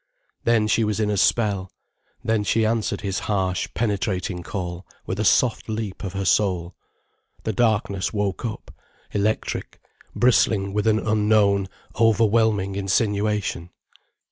Then she was in a spell, then she answered his harsh, penetrating call with a soft leap of her soul, the darkness woke up, electric, bristling with an unknown, overwhelming insinuation.